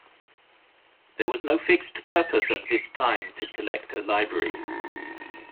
There was no fixed purpose at this time to collect a library.